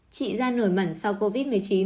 trị da nổi mẩn sau covid một mươi chín